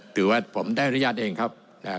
ถือว่าผมได้อนุญาตเองครับ